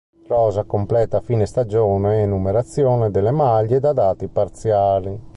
Rosa completa a fine stagione e numerazione delle maglie da dati parziali.